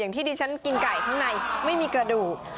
ที่ดิฉันกินไก่ข้างในไม่มีกระดูก